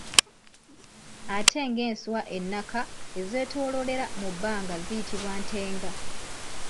Ate ng'enswa ennaka ezeetooloolera mu bbanga ziyitibwa ntenga.